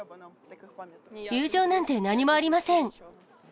友情なんて何もありません。